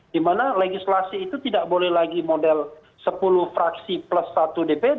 dimana legislasi itu tidak boleh lagi model sepuluh fraksi plus satu dpd